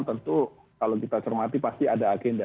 tentu kalau kita cermati pasti ada agenda